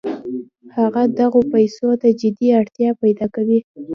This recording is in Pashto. هغه دغو پیسو ته جدي اړتیا پیدا کوي